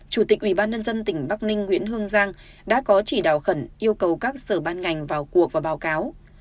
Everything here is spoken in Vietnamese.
chủ tịch ủy ban nhân dân tỉnh bắc ninh nguyễn hương giang đã có chỉ đạo khẩn yêu cầu các sở ban ngành vào cuộc và báo cáo